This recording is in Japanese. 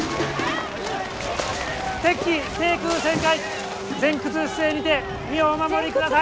敵機低空旋回前屈姿勢にて身をお守りください！